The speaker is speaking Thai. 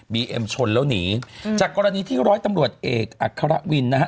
เอ็มชนแล้วหนีจากกรณีที่ร้อยตำรวจเอกอัครวินนะฮะ